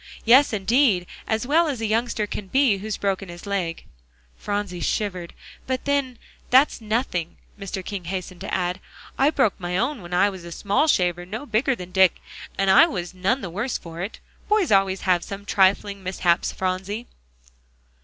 "Yes, indeed; as well as a youngster can be, who's broken his leg." Phronsie shivered. "But then, that's nothing," Mr. King hastened to add; "I broke my own when I was a small shaver no bigger than Dick, and I was none the worse for it. Boys always have some such trifling mishaps, Phronsie."